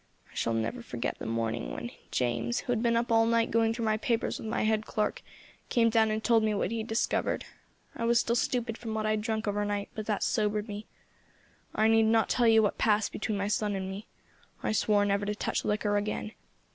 I shall never forget the morning when James, who had been up all night going through my papers with my head clerk, came down and told me what he had discovered. I was still stupid from what I had drunk overnight, but that sobered me. I need not tell you what passed between my son and me. I swore never to touch liquor again.